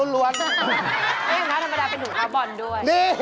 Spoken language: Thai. ไม่อย่างน้ำธรรมดาเป็นถุงทาบ่อนด้วย